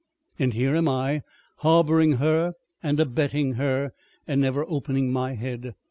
And here am I, harboring her and abetting her, and never opening my head.